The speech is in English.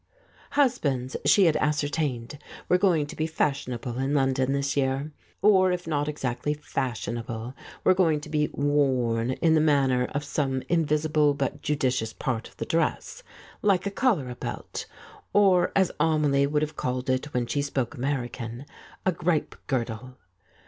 Husbands, she had ascertained, were going to be fashionable in London this year, or, if not exactly fashionable, were going to be "worn " in the manner of some invisible but judicious part of the dress, like a cholera belt, or, as Amelie would have called it when she spoke American, a gripe girdle.